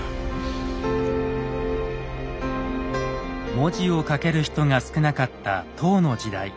文字を書ける人が少なかった唐の時代。